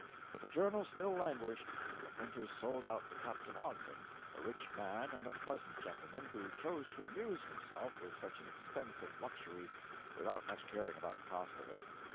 But the journal still languished, and the printers sold out to Captain Ogden, a rich man and a pleasant gentleman who chose to amuse himself with such an expensive luxury without much caring about the cost of it.